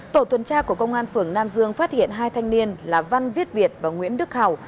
tổ tuần tra của công an phường nam dương phát hiện hai thanh niên là văn viết việt và nguyễn đức hào